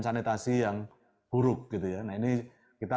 sanitasi yang buruk gitu ya nah ini kita